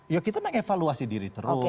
ya kita mengevaluasi diri terus